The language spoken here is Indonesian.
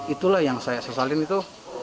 itulah yang saya sesalin itu